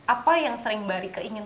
apa yang sering mbak rike ingin